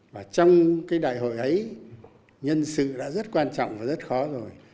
và trong cái đại hội ấy nhân sự đã rất quan trọng và rất khó rồi